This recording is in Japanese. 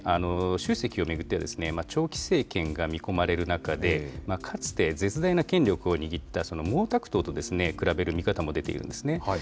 習主席を巡っては、長期政権が見込まれる中で、かつて絶大な権力を握った毛沢東と比べる見方も出ているんですね。